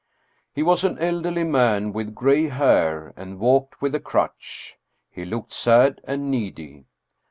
He was an elderly man, with gray hair, and walked with a crutch. He looked sad and needy.